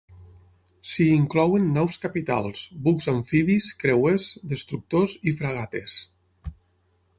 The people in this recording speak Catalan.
S'hi inclouen naus capitals, bucs amfibis, creuers, destructors i fragates.